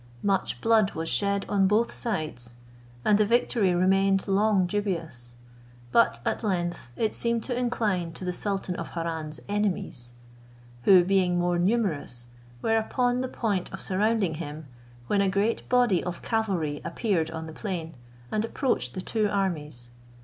Much blood was shed on both sides, and the victory remained long dubious; but at length it seemed to incline to the sultan of Harran's enemies, who, being more numerous, were upon the point of surrounding him, when a great body of cavalry appeared on the plain, and approached the two armies.